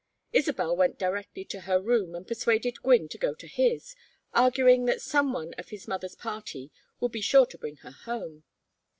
Isabel went directly to her room and persuaded Gwynne to go to his, arguing that some one of his mother's party would be sure to bring her home.